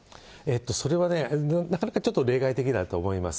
それはね、なかなかちょっと例外的だと思います。